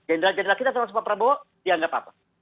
jenderal jenderal kita sama soekar prabowo dianggap apa